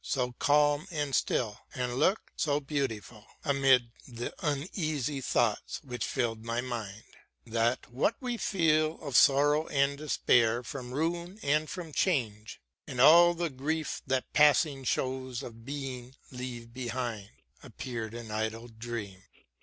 So calm and still and looked so beautiful Amid th' uneasy thoughts which fiU'd my mind. That what we feel of sorrow and despair From ruin and from change, and all the grief That passing shows of Being leave behind, Appear'd an idle dream.